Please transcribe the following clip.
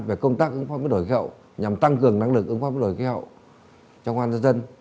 về công tác ứng phó với biến đổi khí hậu nhằm tăng cường năng lực ứng phó với biến đổi khí hậu cho công an dân dân